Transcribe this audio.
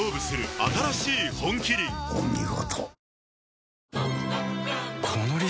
お見事。